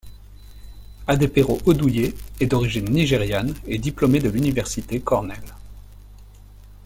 Adepero Oduye est d'origine nigériane et diplômée de l'université Cornell.